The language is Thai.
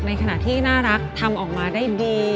ในขณะที่น่ารักทำออกมาได้ดี